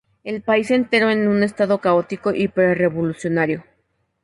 El país entró en un estado caótico y pre-revolucionario.